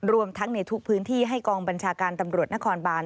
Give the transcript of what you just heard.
รวมทั้งในทุกพื้นที่ให้กองบัญชาการตำรวจนครบาน